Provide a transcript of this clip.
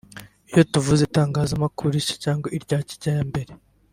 Iyo tuvuze Itangazamakuru rishya cyangwa irya kijyambere